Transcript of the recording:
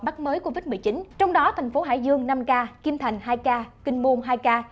mắc mới covid một mươi chín trong đó thành phố hải dương năm ca kim thành hai ca kinh môn hai ca